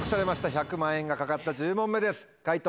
１００万円が懸かった１０問目です解答